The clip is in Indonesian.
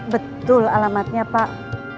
betul alamatnya pak